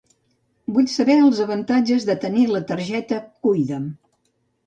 Vull saber els avantatges de tenir la targeta Cuida'm.